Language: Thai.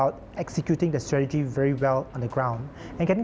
ที่มีด้วยคนและคน